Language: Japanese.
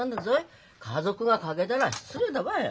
家族が欠けたら失礼だわい。